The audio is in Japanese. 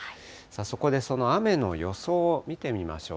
そこでその雨の予想を見てみましょう。